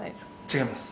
違います。